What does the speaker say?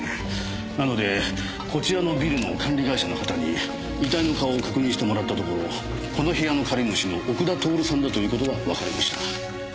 なのでこちらのビルの管理会社の方に遺体の顔を確認してもらったところこの部屋の借り主の奥田徹さんだという事がわかりました。